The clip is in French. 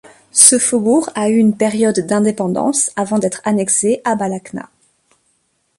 Ce faubourg a eu une période d'indépendance avant d'être annexé à Balakhna.